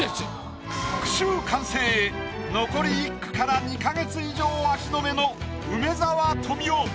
句集完成へ残り１句から２か月以上足止めの梅沢富美男。